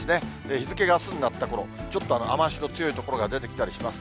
日付があすになったころ、ちょっと雨足の強い所が出てきたりします。